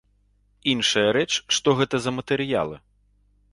Іншая рэч, што гэта за матэрыялы.